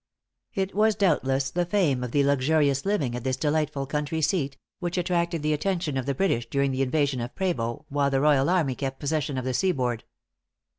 It was doubtless the fame of the luxurious living at this delightful country seat which attracted the attention of the British during the invasion of Prevost, while the royal army kept possession of the seaboard.